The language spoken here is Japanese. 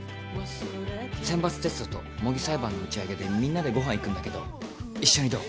選抜テストと模擬裁判の打ち上げでみんなでご飯行くんだけど一緒にどう？